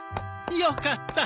よかった。